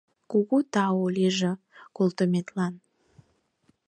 Кугу тау лийже колтыметлан.